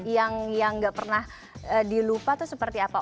yang nggak pernah dilupa itu seperti apa